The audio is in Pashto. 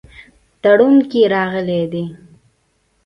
تړون کې راغلي دي.